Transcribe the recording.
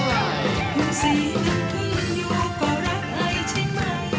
เพียงสีน้ำกึ้งอยู่ก็รักไอใช่ไหม